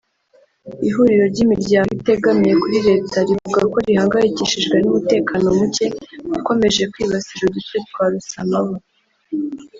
Ihuriro ry’imiryango itegamiye kuri leta rivuga ko rihangayikishijwe n’umutekano muke ukomeje kwibasira uduce twa Rusamabu